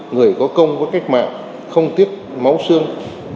người có công với cách mạng không tiếc máu xương